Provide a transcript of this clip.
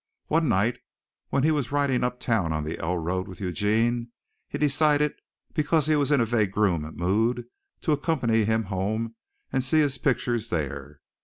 One night when he was riding uptown on the L road with Eugene he decided because he was in a vagrom mood to accompany him home and see his pictures there.